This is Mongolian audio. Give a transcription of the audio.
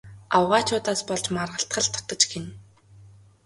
Авгайчуудаас болж маргалдах л дутаж гэнэ.